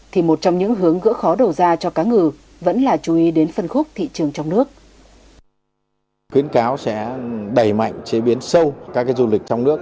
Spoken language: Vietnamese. thì một trong những hướng gỡ khó đầu ra cho cá ngừ vẫn là chú ý đến phân khúc thị trường trong nước